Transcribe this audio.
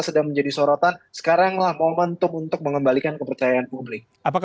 sedang menjadi sorotan sekaranglah momentum untuk mengembalikan kepercayaan publik